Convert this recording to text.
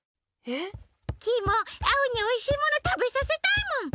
えっ？キイもアオにおいしいものたべさせたいもん。